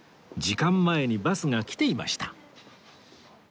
時間前にバスが来ていました